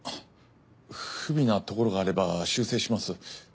不備なところがあれば修正します。